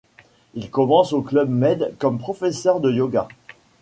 Il commence au Club Med comme professeur de Yoga.